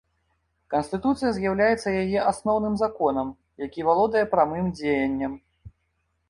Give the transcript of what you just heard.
Канстытуцыя з'яўляецца яе асноўным законам, які валодае прамым дзеяннем.